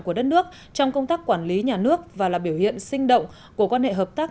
của đất nước trong công tác quản lý nhà nước và là biểu hiện sinh động của quan hệ hợp tác